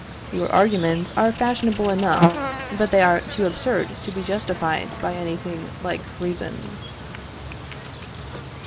Your arguments are fashionable enough, but they are too absurd to be justified by anything like reason.